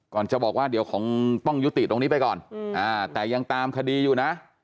จะบอกว่าเดี๋ยวคงต้องยุติตรงนี้ไปก่อนแต่ยังตามคดีอยู่นะ